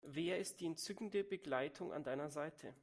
Wer ist die entzückende Begleitung an deiner Seite?